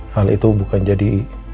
hal itu bukan jadi